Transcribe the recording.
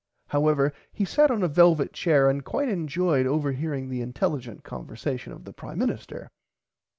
However he sat on a velvit chair and quite enjoyed over hearing the intelligent conversation of the prime minister.